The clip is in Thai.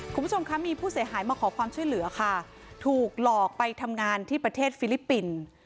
คุณผู้ชมคะมีผู้เสียหายมาขอความช่วยเหลือค่ะถูกหลอกไปทำงานที่ประเทศฟิลิปปินส์